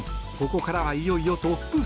ここからはいよいよトップ３。